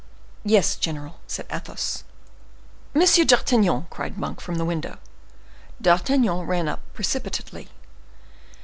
"Yes, general," said Athos. "Monsieur D'Artagnan!" cried Monk, from the window. D'Artagnan ran up precipitately.